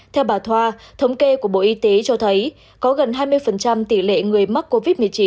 theo bà thoa thống kê của bộ y tế cho thấy có gần hai mươi tỷ lệ người mắc covid một mươi chín